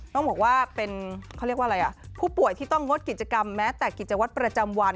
ต้องบอกว่าเป็นผู้ป่วยที่ต้องงดกิจกรรมแม้แต่กิจวัตรประจำวัน